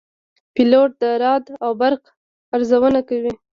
پیلوټ د رعد او برق ارزونه کوي.